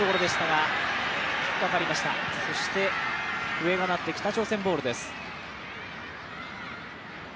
笛が鳴って北朝鮮ボールです。